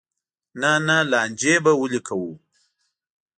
نه نه لانجې به ولې کوو.